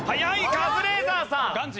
カズレーザーさん。